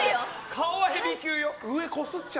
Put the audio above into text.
顔はヘビー級よ。